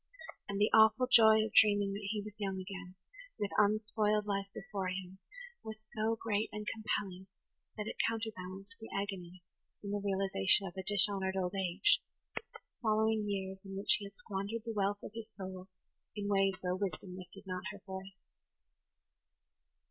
And the awful joy of dreaming that he was young again, with unspoiled life before him, was so great and compelling that it counterbalanced the agony in the realization of a dishonoured old age, following years in which he had squandered the wealth of his soul in ways where Wisdom lifted not her voice.